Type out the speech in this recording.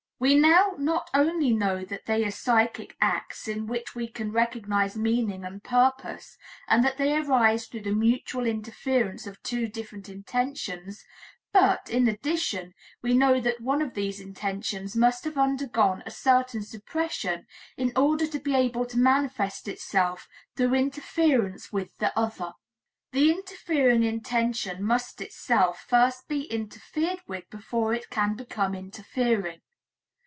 We know not only that they are psychic acts, in which we can recognize meaning and purpose, and that they arise through the mutual interference of two different intentions, but, in addition, we know that one of these intentions must have undergone a certain suppression in order to be able to manifest itself through interference with the other. The interfering intention must itself first be interfered with before it can become interfering.